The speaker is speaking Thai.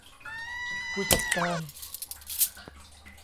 ผู้จัดการ